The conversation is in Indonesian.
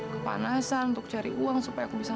kepanasan untuk cari uang supaya aku bisa